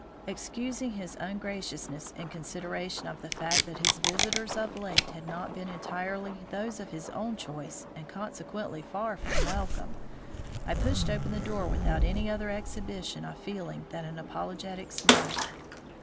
Excusing his un graciousness in consideration of the fact that his visitors of late had not been entirely those of his own choice and consequently far from welcome, I pushed open the door without any other exhibition of feeling than an apologetic smile.